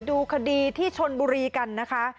ดูคดีที่ชนบุรีกันนะคะ